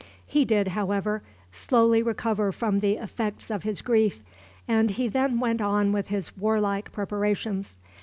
He did, however, slowly recover from the effects of his grief, and he then went on with his warlike preparations.